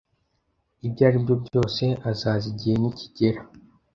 ibyo aribyo byose azaza igihe nikigera